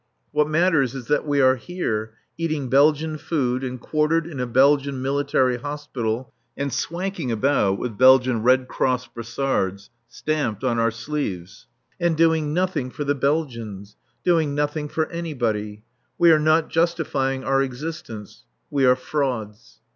What matters is that we are here, eating Belgian food and quartered in a Belgian Military Hospital, and "swanking" about with Belgian Red Cross brassards (stamped) on our sleeves, and doing nothing for the Belgians, doing nothing for anybody. We are not justifying our existence. We are frauds.